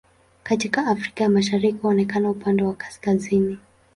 Katika Afrika ya Mashariki huonekana upande wa kaskazini.